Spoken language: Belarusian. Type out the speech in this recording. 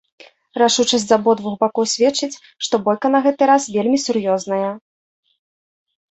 Рашучасць з абодвух бакоў сведчыць, што бойка на гэты раз вельмі сур'ёзная.